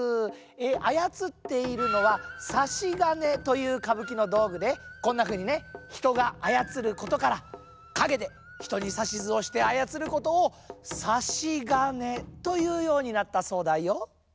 あやつっているのは「さしがね」というかぶきのどうぐでこんなふうにねひとがあやつることからかげでひとにさしずをしてあやつることを「さしがね」というようになったそうだよ。